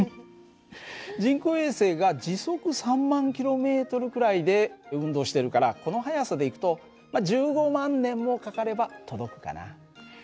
人工衛星が時速３万ｋｍくらいで運動してるからこの速さでいくと１５万年もかかれば届くかな。